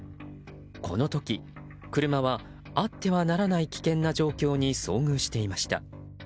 この時、車はあってはならない危険な状況に遭遇していました。